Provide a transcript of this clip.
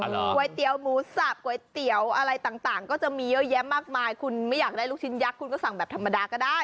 ก๋วยเตี๋ยวหมูสับก๋วยเตี๋ยวอะไรต่างก็จะมีเยอะแยะมากมายคุณไม่อยากได้ลูกชิ้นยักษ์คุณก็สั่งแบบธรรมดาก็ได้